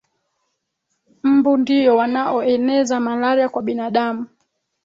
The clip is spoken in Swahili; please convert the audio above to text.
mbu ndiyo wanaoeneza malaria kwa binadamu